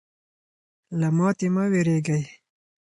له ماتې مه ویرېږئ.